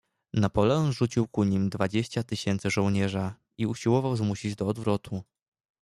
"Napoleon rzucił ku nim dwadzieścia tysięcy żołnierza i usiłował zmusić do odwrotu."